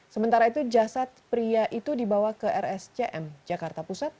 sementara itu jasad pria itu dibawa ke rscm jakarta pusat